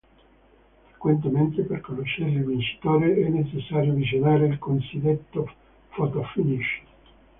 Frequentemente per conoscere il vincitore è necessario visionare il cosiddetto fotofinish.